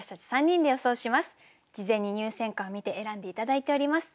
事前に入選歌を見て選んで頂いております。